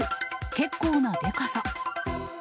結構なでかさ。